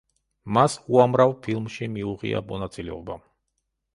მას უამრავ ფილმში მიუღია მონაწილეობა.